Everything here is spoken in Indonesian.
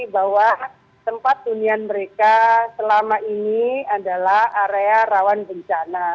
bahwa tempat hunian mereka selama ini adalah area rawan bencana